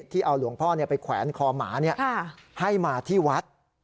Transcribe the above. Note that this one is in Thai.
ที่เอาหลวงพ่อเนี่ยไปแขวนคอหมาเนี่ยให้มาที่วัด